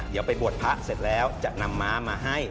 เดี๋ยวไปบวชพระเสร็จแล้วจะนำม้ามาให้